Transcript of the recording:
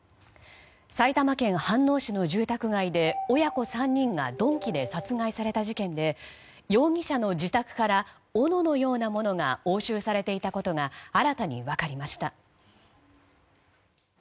埼玉県飯能市の住宅街で親子３人が鈍器で殺害された事件で容疑者の自宅からおののようなものが押収されていたことが新たに分かりました。